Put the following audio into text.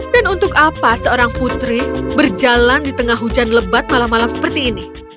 dan untuk apa seorang putri berjalan di tengah hujan lebat malam malam seperti ini